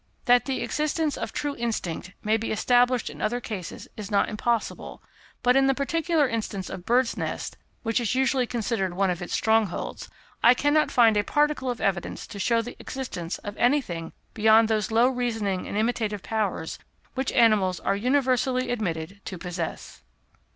That the existence of true instinct may be established in other cases is not impossible, but in the particular instance of birds' nests, which is usually considered one of its strongholds, I cannot find a particle of evidence to show the existence of anything beyond those lower reasoning and imitative powers, which animals are universally admitted to possess.